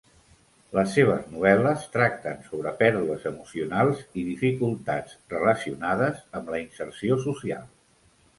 Les seves novel·les tracten sobre pèrdues emocionals i dificultats relacionades amb la inserció social.